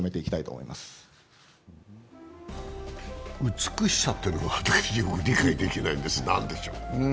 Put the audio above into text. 美しさというのは私よく理解できないんです、何でしょう？